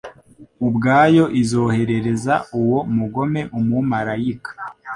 ubwayo izoherereza uwo mugome umumalayika